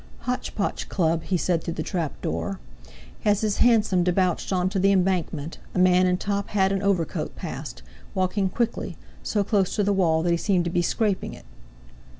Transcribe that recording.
"Hotch Potch Club," he said through the trap door. As his hansom debouched on to the Embankment, a man in top hat and overcoat passed, walking quickly, so close to the wall that he seemed to be scraping it.